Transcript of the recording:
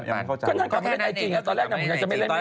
ตอนแรกก็จะไม่เล่นแล้วไง